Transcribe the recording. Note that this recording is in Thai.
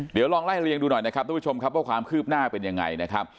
เดี๋ยวลองไล่เรียงดูหน่อยนะครับทุกผู้ชมครับว่าความคืบหน้าเป็นยังไงนะครับ